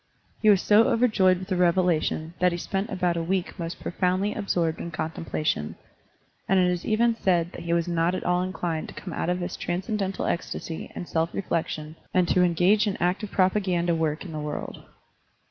He was so over joyed with the revelation that he spent about a week most profotmdly absorbed in contempla tion, and it is even said that he was not at all inclined to come out of his transcendental ecstasy and self reflection and to engage in active propa ganda work in the world.